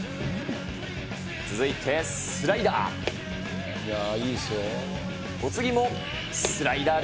続いてスライダー。